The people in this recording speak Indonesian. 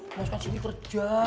masih di sini kerja